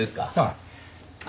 ああ。